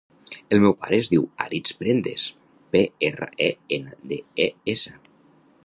El meu pare es diu Aritz Prendes: pe, erra, e, ena, de, e, essa.